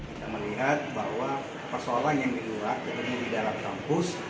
kita melihat bahwa persoalan yang kedua ketemu di dalam kampus